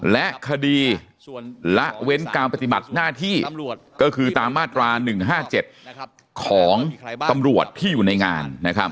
และคดีละเว้นการปฏิบัติหน้าที่ก็คือตามมาตรา๑๕๗ของตำรวจที่อยู่ในงาน